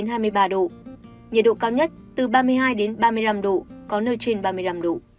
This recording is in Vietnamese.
nhiệt độ cao nhất từ ba mươi hai ba mươi năm độ có nơi trên ba mươi năm độ